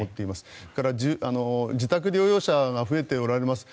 それから自宅療養者が増えておられます。